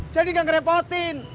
jadi gak ngerepotin